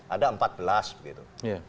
ada empat belas begitu